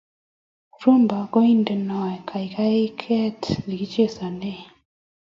rhumba kondeno kakaikaet nekichesani